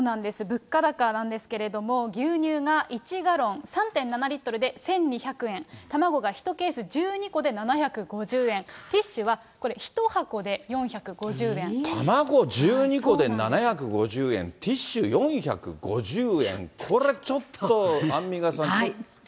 物価高なんですけれども、牛乳が１ガロン、３．７リットルで１２００円、卵が１ケース１２個で７５０円、ティッシュはこれ、卵１２個で７５０円、ティッシュ４５０円、これちょっと、アンミカさん、ちょっと。